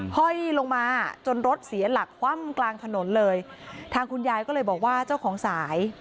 ห้อยลงมาจนรถเสียหลักคว่ำกลางถนนเลยทางคุณยายก็เลยบอกว่าเจ้าของสาย